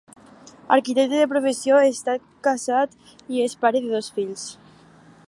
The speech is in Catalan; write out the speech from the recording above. Arquitecte de professió, està casat i és pare de dos fills.